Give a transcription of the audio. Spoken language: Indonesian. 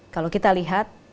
kalau kita lihat